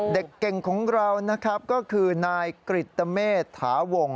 เด็กเก่งของเราก็คือนายกริตเมธถาวง